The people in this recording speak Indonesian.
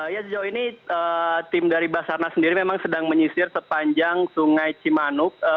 ya sejauh ini tim dari basarna sendiri memang sedang menyisir sepanjang sungai cimanuk